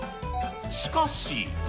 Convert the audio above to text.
しかし。